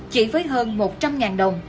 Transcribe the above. chỉ với hơn một trăm linh đồng